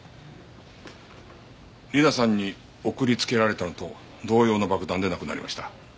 理菜さんに送りつけられたのと同様の爆弾で亡くなりました。